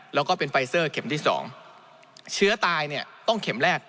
แล้วก็เป็นไฟเซอร์เข็มที่สองเชื้อตายเนี่ยต้องเข็มแรก